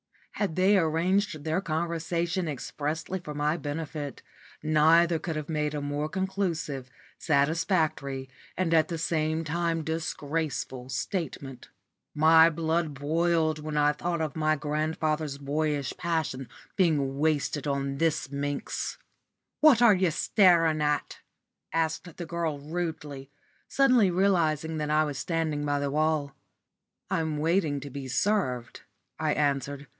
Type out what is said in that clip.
Had they arranged their conversation expressly for my benefit, neither could have made a more conclusive, satisfactory, and at the same time disgraceful statement. My blood boiled when I thought of my grandfather's boyish passion being wasted on this minx. "What are you starin' at?" asked the girl rudely, suddenly realising that I was standing by the stall. "I'm waiting to be served," I answered.